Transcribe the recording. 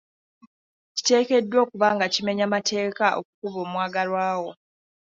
Kiteekeddwa okuba nga kimenya mateeka okukuba omwagalwa wo.